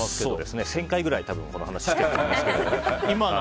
１０００回ぐらいこの話してると思いますけど。